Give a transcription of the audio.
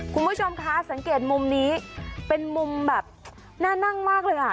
คุณผู้ชมคะสังเกตมุมนี้เป็นมุมแบบน่านั่งมากเลยอ่ะ